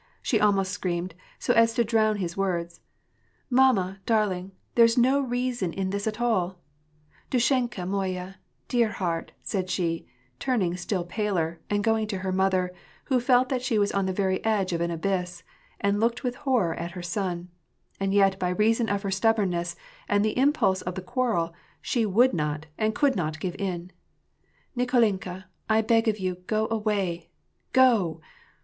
" she almost screamedy so as to drown his words. ^^ Mamma^ darling, there's no reason in this at all, dushenka moyay — dear heart," said she, turning still paler, and going to ner mother, who felt that she was on the very edge of an abyss, and looked with horror at her son ; and yet, by reason of her stubbornness, and the impulse of the quarrel, she would not, and could not, give in. " Nik61inka, I beg of you, go away ; go